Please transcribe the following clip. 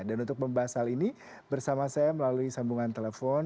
dan untuk membahas hal ini bersama saya melalui sambungan telepon